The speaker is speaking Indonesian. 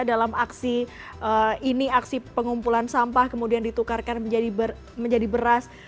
dalam aksi ini aksi pengumpulan sampah kemudian ditukarkan menjadi beras